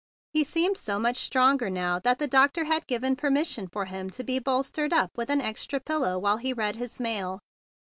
He seemed so much stronger that the doc¬ tor had given permission for him to be bolstered up with an extra pillow while he read his mail.